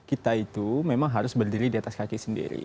kita itu memang harus berdiri di atas kaki sendiri